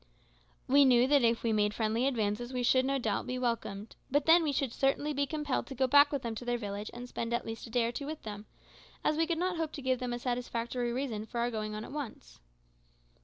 We knew that if we made friendly advances we should no doubt be welcomed, but then we should certainly be compelled to go back with them to their village and spend at least a day or two with them, as we could not hope to give them a satisfactory reason for our going on at once.